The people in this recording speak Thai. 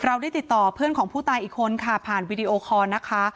เราได้ติดต่อเพื่อนของผู้ตายอีกคนค่ะผ่านวีดีโอคอร์นะคะ